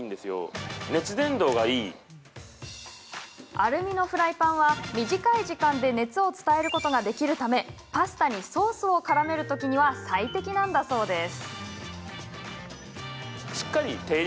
アルミのフライパンは短い時間で熱を伝えることができるためパスタにソースをからめるときには最適なんだそうです。